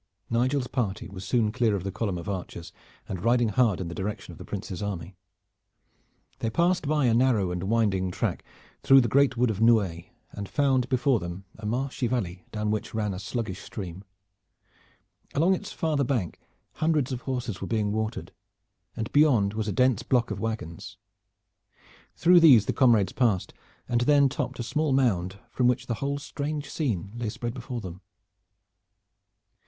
Nigel's party was soon clear of the column of archers and riding hard in the direction of the Prince's army. They passed by a narrow and winding track, through the great wood of Nouaille, and found before them a marshy valley down which ran a sluggish stream. Along its farther bank hundreds of horses were being watered, and beyond was a dense block of wagons. Through these the comrades passed, and then topped a small mound from which the whole strange scene lay spread before them.